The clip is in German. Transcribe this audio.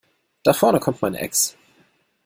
Da vorne kommt mein Ex.